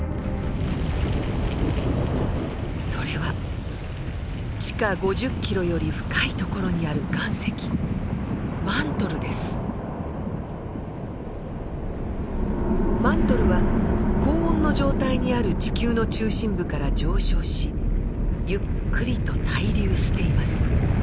それは地下５０キロより深い所にある岩石マントルは高温の状態にある地球の中心部から上昇しゆっくりと対流しています。